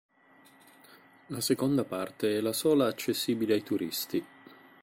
La seconda parte è la sola accessibile ai turisti.